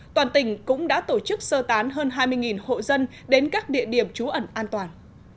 toàn tỉnh cũng đã tổ chức sơ tán hơn hai mươi hộ dân đến các địa điểm trú ẩn an toàn